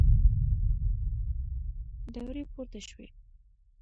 دوړې پورته شوې.